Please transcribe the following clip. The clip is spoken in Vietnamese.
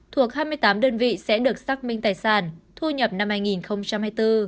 thuộc hai mươi tám đơn vị sẽ được xác minh tài sản thu nhập năm hai nghìn hai mươi bốn